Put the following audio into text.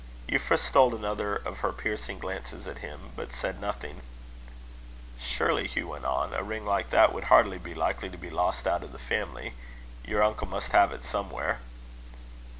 Euphra stole another of her piercing glances at him, but said nothing. "Surely," Hugh went on, "a ring like that would hardly be likely to be lost out of the family? Your uncle must have it somewhere."